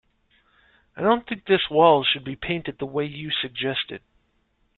I don't think this wall should be painted the way you suggested.